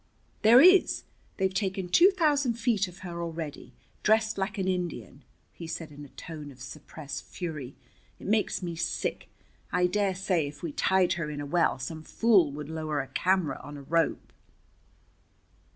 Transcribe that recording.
"There is. They've taken two thousand feet of her already, dressed like an Indian," he said in a tone of suppressed fury. "It makes me sick. I dare say if we tied her in a well some fool would lower a camera on a rope."